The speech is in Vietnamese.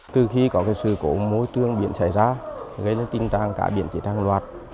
từ khi có sự cổ mối trường biển xảy ra gây ra tình trạng cá biển chỉ đang loạt